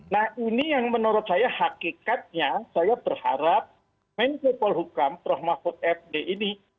nah ini yang menurut saya hakikatnya saya berharap menkupol hukum prohmahput fd ini